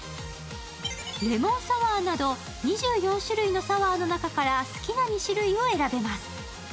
レモンサワーなど２４種類のサワーの中から、好きな２種類を選べます。